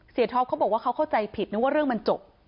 ท็อปเขาบอกว่าเขาเข้าใจผิดนึกว่าเรื่องมันจบ